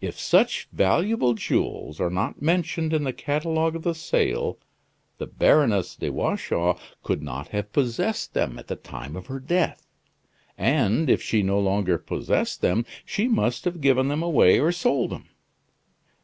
"If such valuable jewels are not mentioned in the catalogue of the sale, the Baroness de Watchau could not have possessed them at the time of her death. And if she no longer possessed them she must have given them away or sold them.